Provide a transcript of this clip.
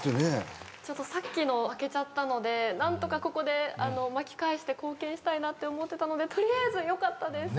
ちょっとさっきの負けちゃったので何とかここで巻き返して貢献したいなって思ってたので取りあえずよかったです。